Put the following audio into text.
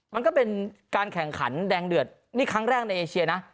มันก็เป็นการแข่งขันแดงเดือดนี่ครั้งแรกในเอเชียนะ